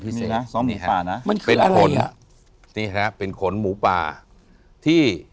พิเศษนี่นะสองหมูป่านะมันคืออะไรเป็นขนนี่ฮะเป็นขนหมูป่าที่